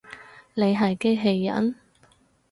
你係機器人？